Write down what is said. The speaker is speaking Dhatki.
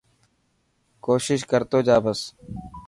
ڪوشش ڪر تو جا بس.